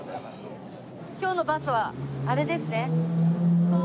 今日のバスはあれですね。